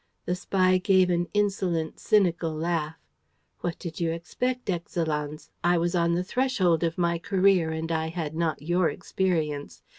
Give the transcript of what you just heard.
The spy gave an insolent, cynical laugh: "What did you expect, Excellenz? I was on the threshold of my career and I had not your experience.